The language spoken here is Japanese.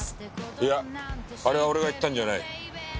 いやあれは俺が言ったんじゃない。